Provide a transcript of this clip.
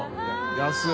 安い。